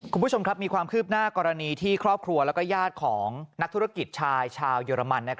คุณผู้ชมครับมีความคืบหน้ากรณีที่ครอบครัวและญาติของนักธุรกิจชายชาวเยอรมัน